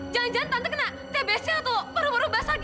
jangan jangan tante kena tbc atau peruburu basah